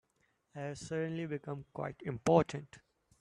I've suddenly become quite important.